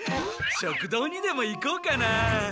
食堂にでも行こうかな。